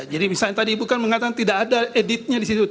jadi misalnya tadi ibu kan mengatakan tidak ada editnya di situ